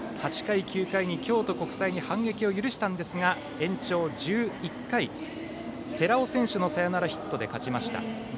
８回、９回に京都国際に反撃を許したんですが延長１１回、寺尾選手のサヨナラヒットで勝ちました。